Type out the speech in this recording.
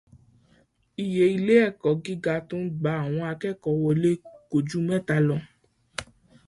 Iye ilé ẹ̀kọ́ gíga tó ń gba àwọn akẹ́kọ̀ọ́ wọlé kò ju mẹ́ta lọ.